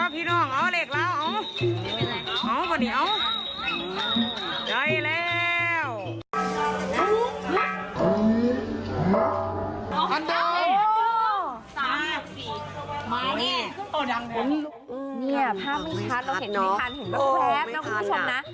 นี่ภาพมันชัดเราเห็นไม่ทันเห็นแว๊บนะคุณผู้ชมนะ